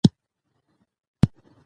دوی په کاسو کاسو وینې څښي.